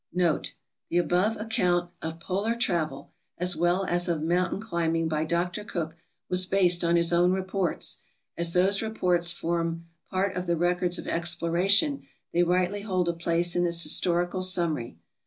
Note. — The above account of polar travel (as well as of mountain climbing) by Dr. Cook was based on his own reports. As those reports form part of the records of exploration, they rightly hold a place in this historical summary.